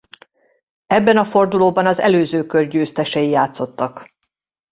Ebben a fordulóban az előző kör győztesei játszottak.